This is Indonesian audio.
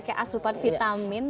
kayak asupan vitamin